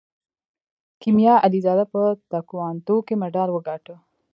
کیمیا علیزاده په تکواندو کې مډال وګاټه.